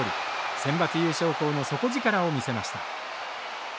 センバツ優勝校の底力を見せました。